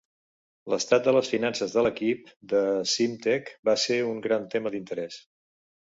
L'estat de les finances de l'equip de Simtek va ser un gran tema d'interès.